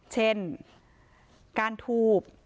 เช่นก้านทูบ